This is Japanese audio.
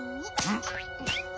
ん？